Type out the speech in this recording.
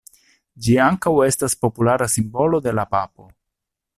Ĝi ankaŭ estas populara simbolo de la papo.